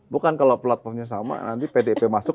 bukan kalau platformnya sama nanti pdip masuk